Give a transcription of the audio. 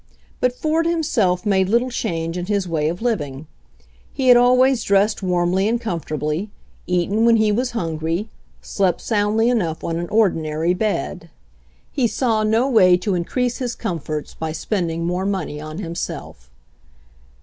But Ford himself made little change in his way of living. He had always dressed warmly and comfortably, eaten when he was hun gry, slept soundly enough on an ordinary bed. 132 HENRY FORD'S OWN STORY He saw no way to increase his comforts by spend ing more money on himself.